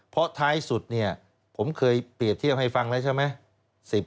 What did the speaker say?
เพราะท้ายสุดเนี่ยผมเคยเปรียบเทียบให้ฟังแล้วใช่ไหม